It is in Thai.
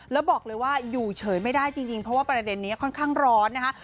แล้วบอกเลยว่าอยู่เฉยไม่ได้จริงเพราะว่าประเด็นนี้ค่อนข้างร้อนนะคะ